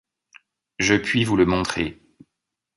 Je puis vous le montrer.